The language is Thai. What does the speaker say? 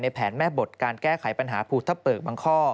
แผนแม่บทการแก้ไขปัญหาภูทะเปิกบางข้อ